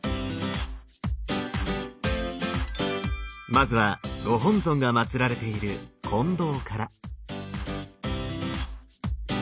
まずはご本尊がまつられている金堂から。